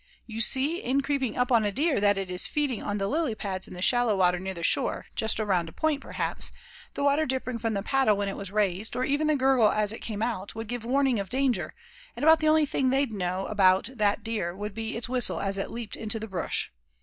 You see, in creeping up on a deer that is feeding on the lily pads in the shallow water near the shore, just around a point perhaps, the water dripping from the paddle when it was raised; or even the gurgle as it came out, would give warning of danger; and about the only thing they'd know about that deer would be its whistle as it leaped into the brush.